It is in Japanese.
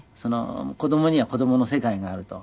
子供には子供の世界があると。